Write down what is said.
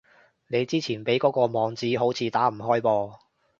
你之前畀嗰個網址，好似打唔開噃